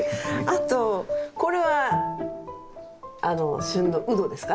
あとこれは旬のウドですかね。